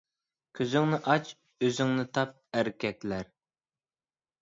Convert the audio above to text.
كۆزۈڭنى ئاچ، ئۆزۈڭنى تاپ ئەركەكلەر